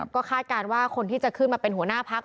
ก็คาดการณ์ว่าคนที่จะขึ้นมาเป็นหัวหน้าพัก